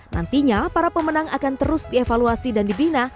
nantinya para pemenang akan terus dievaluasi dan dibina